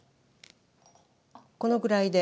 このくらいで。